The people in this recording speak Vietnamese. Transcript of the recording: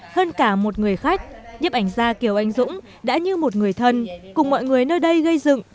hơn cả một người khách nhếp ảnh gia kiều anh dũng đã như một người thân cùng mọi người nơi đây gây dựng